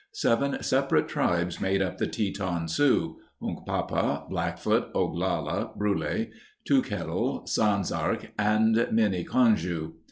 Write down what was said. Seven separate tribes made up the Teton Sioux— Hunkpapa, Blackfoot, Oglala, Brule, Two Kettle, Sans Arc, and Miniconjou.